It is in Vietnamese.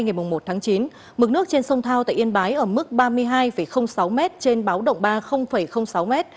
ngày một tháng chín mực nước trên sông thao tại yên bái ở mức ba mươi hai sáu m trên báo động ba sáu m